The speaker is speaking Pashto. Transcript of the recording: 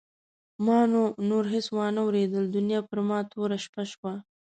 ما نو نور هېڅ وانه ورېدل دنیا پر ما توره شپه شوه.